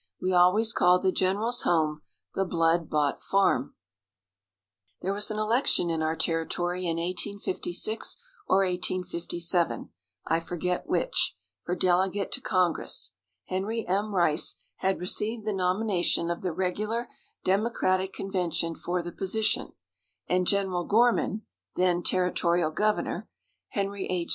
We always called the general's home "The blood bought farm." There was an election in our territory in 1856 or 1857, I forget which, for delegate to Congress. Henry M. Rice had received the nomination of the regular Democratic convention for the position, and General Gorman (then territorial governor), Henry H.